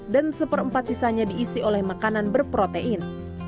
dan seperempat sisanya diisi oleh makanan berprotein